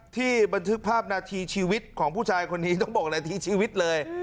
บันทึกภาพนาทีชีวิตของผู้ชายคนนี้ต้องบอกนาทีชีวิตเลย